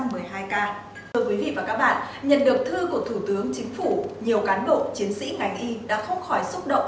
thưa quý vị và các bạn nhận được thư của thủ tướng chính phủ nhiều cán bộ chiến sĩ ngành y đã không khỏi xúc động